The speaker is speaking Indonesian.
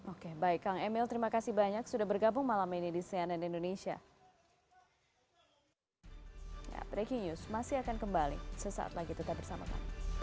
oke baik kang emil terima kasih banyak sudah bergabung malam ini di cnn indonesia